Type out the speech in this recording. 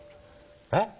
えっ？